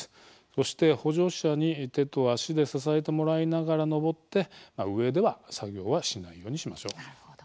そして補助者に、手と足で支えてもらいながら昇って上では作業はしないようにしましょう。